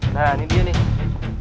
nah ini dia nih